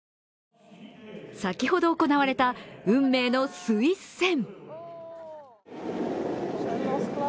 先ほど行われた運命のスイス戦。